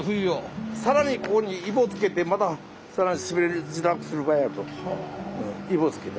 更にここにイボつけてまた更に滑りづらくする場合あると。